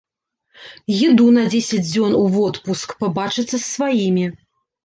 Еду на дзесяць дзён у водпуск, пабачыцца з сваімі.